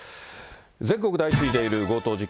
全国で相次いでいる強盗事件。